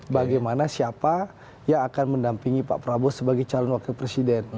bagaimana siapa yang akan mendampingi pak prabowo sebagai calon wakil presiden